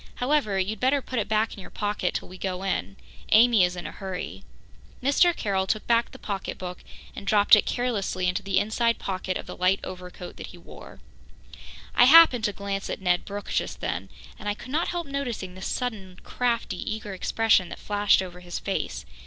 "However, you'd better put it back in your pocket till we go in. Amy is in a hurry." Mr. Carroll took back the pocketbook and dropped it carelessly into the inside pocket of the light overcoat that he wore. I happened to glance at Ned Brooke just then, and I could not help noticing the sudden crafty, eager expression that flashed over his face.